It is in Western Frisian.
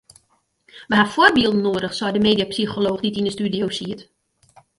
We ha foarbylden noadich sei de mediapsycholooch dy't yn de studio siet.